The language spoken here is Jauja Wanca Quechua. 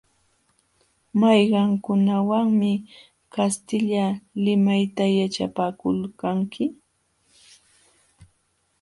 ¿Mayqankunawanmi kastilla limayta yaćhapakulqanki?